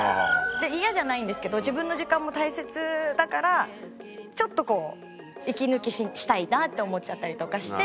イヤじゃないんですけど自分の時間も大切だからちょっとこう息抜きしたいなって思っちゃったりとかして。